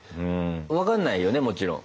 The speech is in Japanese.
分かんないよねもちろん。